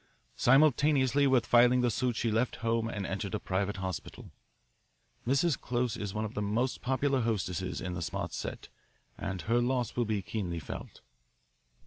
Simultaneously with filing the suit she left home and entered a private hospital. Mrs. Close is one of the most popular hostesses in the smart set, and her loss will be keenly felt."